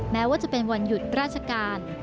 แม้ว่าจะเป็นวันหยุดราชการ